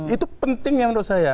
itu pentingnya menurut saya